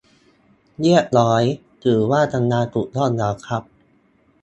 เรียบร้อย ถือว่าทำงานถูกต้องแล้วครับ